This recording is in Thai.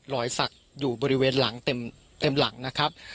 รอยสักอยู่บริเวณหลังเต็มหลังนะครับ